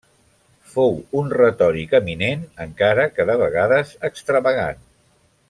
Fou un retòric eminent encara que de vegades extravagant.